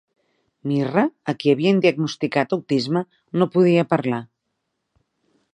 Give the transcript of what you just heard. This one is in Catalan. Mirra, a qui havien diagnosticat autisme, no podia parlar.